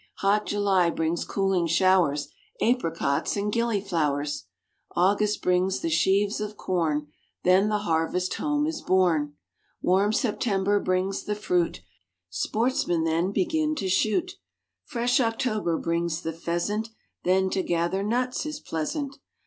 Hot July brings cooling showers, Apricots and gillyflowers. August brings the sheaves of corn, Then the harvest home is borne. Warm September brings the fruit, Sportsmen then begin to shoot. Fresh October brings the pheasant, Then to gather nuts is pleasant.